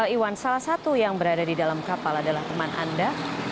iwan salah satu yang berada di dalam kapal adalah teman anda